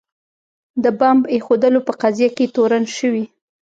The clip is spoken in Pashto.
د بمب ایښودلو په قضیه کې تورن شوي.